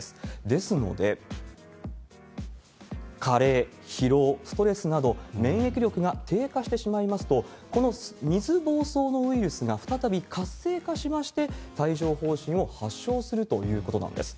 ですので、加齢、疲労、ストレスなど、免疫力が低下してしまいますと、この水ぼうそうのウイルスが再び活性化しまして、帯状ほう疹を発症するということなんです。